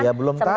ya belum tahu